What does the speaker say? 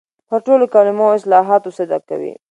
پر ټولو کلمو او اصطلاحاتو صدق کوي.